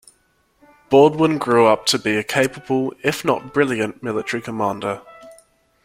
Baldwin grew up to be a capable, if not brilliant, military commander.